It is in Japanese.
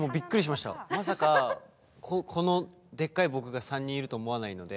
まさかでっかい僕が３人いるとは思わないので。